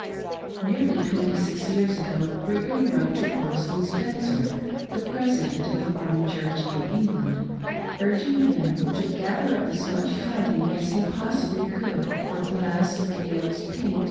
Nearly twenty six years ago, Brigham wrote to Orson Spencer, the President of the Mormon Church in England, urging him to " gather up as much tithing as he possibly could, for glass, nails, paint, &c.